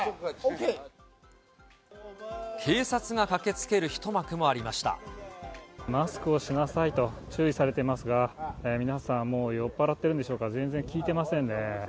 警察が駆けつける一幕もありマスクをしなさいと注意されていますが、皆さん、もう酔っぱらってるんでしょうか。